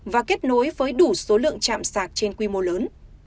và kết nối với đủ số lượng chạm sạc trên quy mô lớn